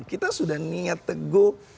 kita sudah niat teguh